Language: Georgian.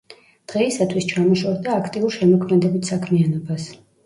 დღეისათვის ჩამოშორდა აქტიურ შემოქმედებით საქმიანობას.